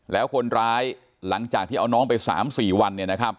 แล้วคนร้ายหลังจากที่เอาน้องไป๓๔วัน